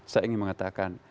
saya ingin mengatakan